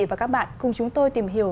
quý vị và các bạn cùng chúng tôi tìm hiểu